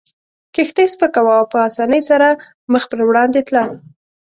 کښتۍ سپکه وه او په اسانۍ سره مخ پر وړاندې تله.